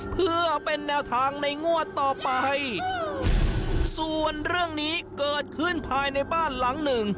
เพื่อเป็นแนวทางในงวดต่อไปส่วนเรื่องนี้เกิดขึ้นภายในบ้านหลังหนึ่ง